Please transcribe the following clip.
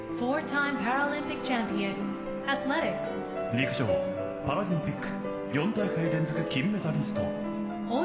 陸上パラリンピック４大会連続金メダリスト。